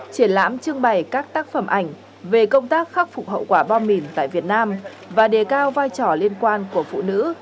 triển lãm trưng bày các tác phẩm ảnh về công tác khắc phục hậu quả bom mìn tại việt nam và đề cao vai trò liên quan của phụ nữ